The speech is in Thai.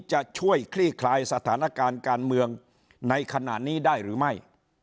จะช่วยคลี่คลายสถานการณ์การเมืองในขณะนี้ได้หรือไม่